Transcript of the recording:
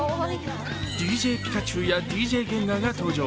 ＤＪピカチュウやＤＪゲンガーが登場！